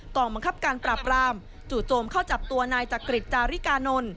องบังคับการปราบรามจู่โจมเข้าจับตัวนายจักริจจาริกานนท์